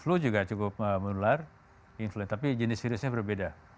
flu juga cukup menular influen tapi jenis virusnya berbeda